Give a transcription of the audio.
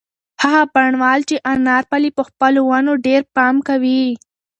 هغه بڼوال چې انار پالي په خپلو ونو ډېر پام کوي.